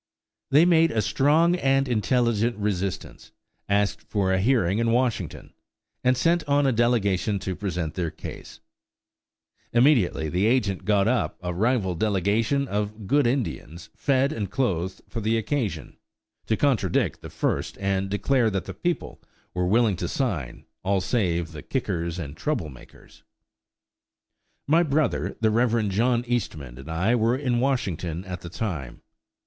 They made a strong and intelligent resistance, asked for a hearing in Washington and sent on a delegation to present their case. Immediately the agent got up a rival delegation of "good Indians," fed and clothed for the occasion, to contradict the first and declare that the people were willing to sign, all save the "kickers and trouble makers." My brother, the Rev. John Eastman, and I were in Washington at the time.